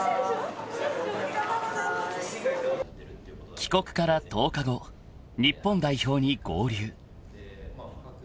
［帰国から１０日後日本代表に合流］